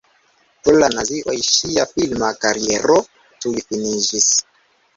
Pro la nazioj ŝia filma kariero tuj finiĝis.